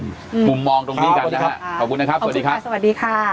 มุมมองตรงนี้กันนะฮะขอบคุณนะครับสวัสดีครับสวัสดีค่ะ